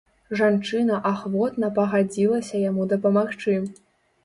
Жанчына ахвотна пагадзілася яму дапамагчы.